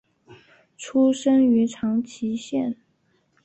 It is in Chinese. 出身于长崎县。